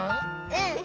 うん！